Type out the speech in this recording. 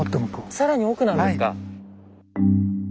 更に奥なんですか。